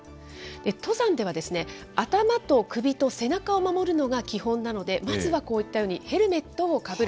登山では、頭と首と背中を守るのが基本なので、まずはこういったように、ヘルメットをかぶる。